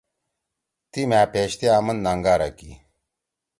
تی مھأ پیش تے آمن نانگارا کی۔